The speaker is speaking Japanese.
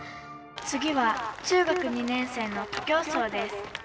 「次は中学２年生の徒競走です」。